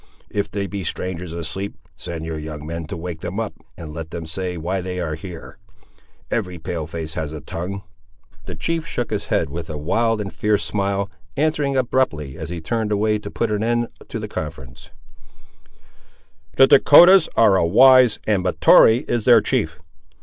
If there be strangers asleep, send your young men to wake them up, and let them say why they are here; every pale face has a tongue." The chief shook his head with a wild and fierce smile, answering abruptly, as he turned away to put an end to the conference— "The Dahcotahs are a wise race, and Mahtoree is their chief!